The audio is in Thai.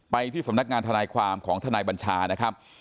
ที่สำนักงานทนายความของทนายบัญชานะครับ